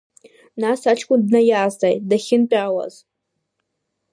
Нас аҷкәын днаизҵааит дахьынтәаауаз.